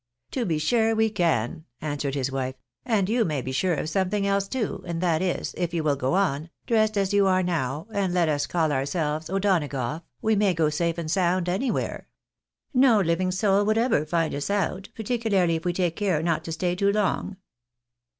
"To be sure we can," answered his wife, " and you may be sure of something else, too, and that is, if you will go on, dressed as you are now, and let us call all ourselves O'Donagough, we may go safe and sound anywhere. No living soul will ever find us out, par ticularly if we take care not to stay too long."